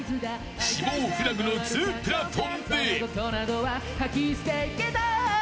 死亡フラグのツープラトンで。